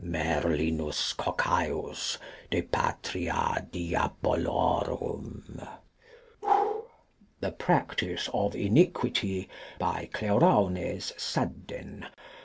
Merlinus Coccaius, de patria diabolorum. The Practice of Iniquity, by Cleuraunes Sadden.